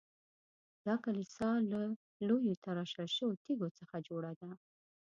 دا کلیسا له لویو تراشل شویو تیږو څخه جوړه ده.